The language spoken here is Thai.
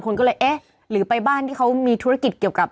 คนก็เลยเอ๊ะหรือไปบ้านที่เขามีธุรกิจเกี่ยวกับ